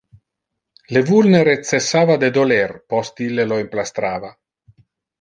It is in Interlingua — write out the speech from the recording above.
Le vulnere cessava de doler post ille lo emplastrava.